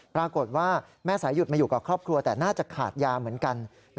ปรากฏว่าแม่สายุดมาอยู่กับครอบครัวแต่น่าจะขาดยาเหมือนกัน